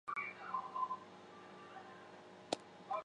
小东门原址位于今扬州市广陵区的甘泉路。